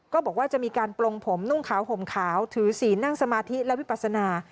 บอกว่าจะมีการปลงผมนุ่งขาวห่มขาวถือศีลนั่งสมาธิและวิปัสนา